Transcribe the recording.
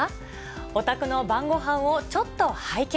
お宅の晩ごはんをちょっと拝見。